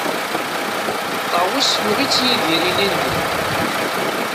Ṭawes yuɣ-itt Yidir ilindi.